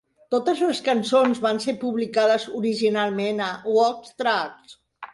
Totes les cançons van ser publicades originalment a Wax Trax!